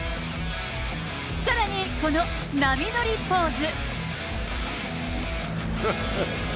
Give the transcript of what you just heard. さらに、この波乗りポーズ。